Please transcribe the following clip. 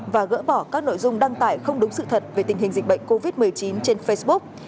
và gỡ bỏ các nội dung đăng tải không đúng sự thật về tình hình dịch bệnh covid một mươi chín trên facebook